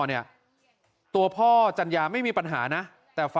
ส่งมาขอความช่วยเหลือจากเพื่อนครับ